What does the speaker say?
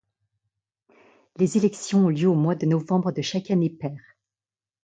Les élections ont lieu au mois de novembre de chaque année paire.